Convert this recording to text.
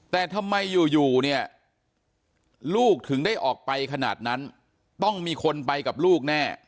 แต่ทำไมอยู่เนี่ยลูกถึงได้ออกไปขนาดนั้นต้องมีคนไปกับลูกแน่